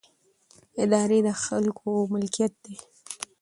ادارې د خلکو ملکیت دي